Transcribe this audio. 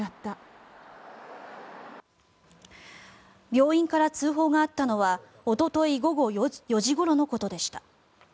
病院から通報があったのはおととい午後４時ごろのことでした。